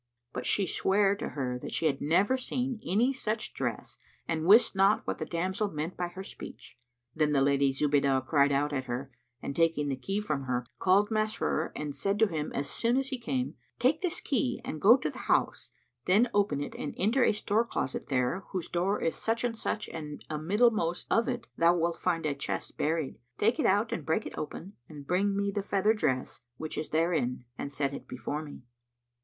But she sware to her that she had never seen any such dress and wist not what the damsel meant by her speech. Then the Lady Zubaydah cried out at her and taking the key from her, called Masrur and said to him as soon as her came, "Take this key and go to the house; then open it and enter a store closet there whose door is such and such and amiddlemost of it thou wilt find a chest buried. Take it out and break it open and bring me the feather dress which is therein and set it before me."